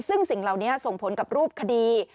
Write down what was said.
ซึ่งสิ่งเหล่านี้ส่งผลกับรูปคดี